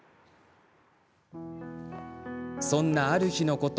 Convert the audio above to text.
そんなある日のこと。